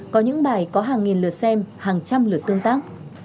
có những bài có hàng nghìn lượt xem hàng trăm lượt tương tác